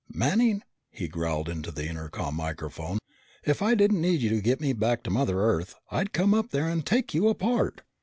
"Manning," he growled into the intercom microphone, "if I didn't need you to get me back to Mother Earth, I'd come up there and take you apart!"